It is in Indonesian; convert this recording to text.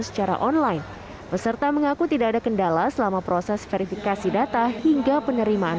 secara online peserta mengaku tidak ada kendala selama proses verifikasi data hingga penerimaan